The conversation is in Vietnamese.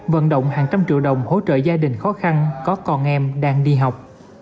vận động hàng trăm triệu đồng hỗ trợ gia đình khó khăn có con em đang đi học